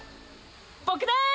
僕です！